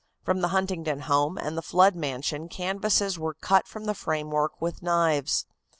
From the Huntington home and the Flood mansion canvases were cut from the framework with knives.